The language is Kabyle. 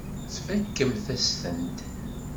Tfakemt-as-tent.